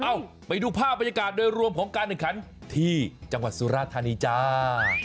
ไปดูภาพบรรยากาศโดยรวมของการแข่งขันที่จังหวัดสุราธานีจ้า